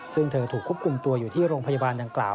ซึ่งเธอถูกควบคุมตัวอยู่ที่โรงพยาบาลดังกล่าว